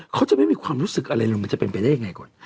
เขาจะไม่มีความรู้สึกอะไรเลยมันจะเป็นไปได้ยังไงก่อน